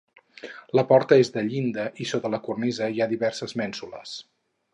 La porta és de llinda i sota la cornisa hi ha diverses mènsules.